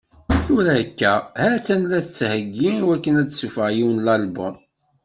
Tura akka, ha-tt-an la tettheggi i wakken ad tessufeɣ yiwen n album.